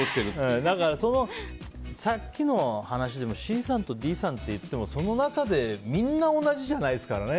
さっきの話でもＣさんとＤさんって言ってもその中でみんな同じじゃないですからね。